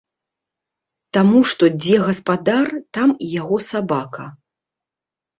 Таму што дзе гаспадар, там і яго сабака.